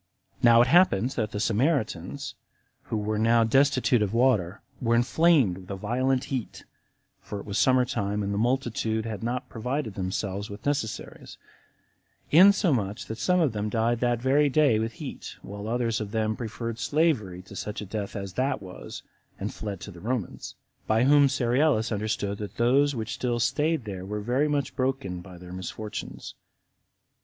Now it happened that the Samaritans, who were now destitute of water, were inflamed with a violent heat, [for it was summer time, and the multitude had not provided themselves with necessaries,] insomuch that some of them died that very day with heat, while others of them preferred slavery before such a death as that was, and fled to the Romans; by whom Cerealis understood that those which still staid there were very much broken by their misfortunes.